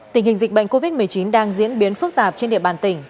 tình hình dịch bệnh covid một mươi chín đang diễn biến phức tạp trên địa bàn tỉnh